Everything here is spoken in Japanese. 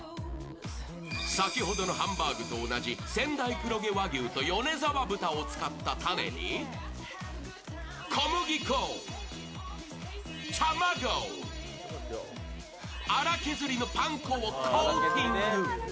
先ほどのハンバーグと同じ仙台黒毛和牛と米澤豚を使ったタネに小麦粉、卵、荒削りのパン粉をコーティング。